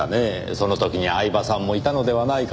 その時に饗庭さんもいたのではないかと思うのですが。